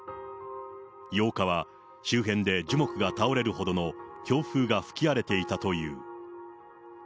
８日は、周辺で樹木が倒れるほどの強風が吹き荒れていたという。